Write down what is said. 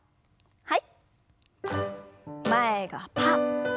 はい。